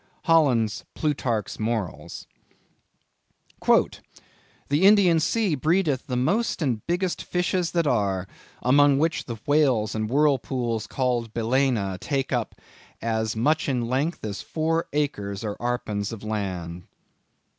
—Holland's Plutarch's Morals. "The Indian Sea breedeth the most and the biggest fishes that are: among which the Whales and Whirlpooles called Balaene, take up as much in length as four acres or arpens of land."